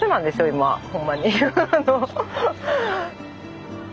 今ほんまに。